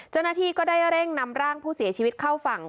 เจ้าหน้าที่ก็ได้เร่งนำร่างผู้เสียชีวิตเข้าฝั่ง